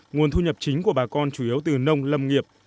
nguồn thu nhập chính của bà con chủ yếu từ nông lâm nghiệp